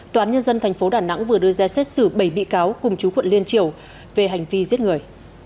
toán nhân dân thành phố đà nẵng vừa đưa ra xét xử bảy bị cáo cùng chú quận liên triều về hành vi giết người